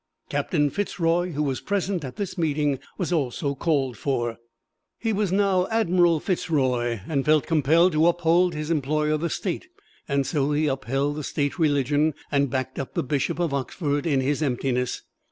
Captain Fitz Roy, who was present at this meeting, was also called for. He was now Admiral Fitz Roy, and felt compelled to uphold his employer, the State, so he upheld the State Religion and backed up the Bishop of Oxford in his emptiness.